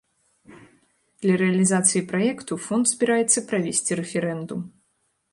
Для рэалізацыі праекту фонд збіраецца правесці рэферэндум.